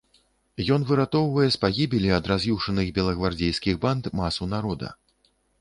Ён выратоўвае з пагібелі ад раз'юшаных белагвардзейскіх банд масу народа.